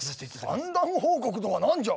三段報告とは何じゃ？